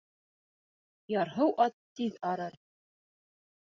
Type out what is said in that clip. Ярһыу ат тиҙ арыр.